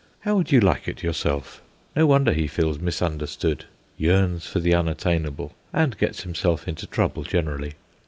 How would you like it yourself? No wonder he feels misunderstood, yearns for the unattainable, and gets himself into trouble generally.